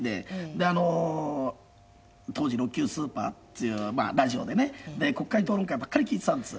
で当時６球スーパーっていうラジオでね『国会討論会』ばっかり聴いてたんです。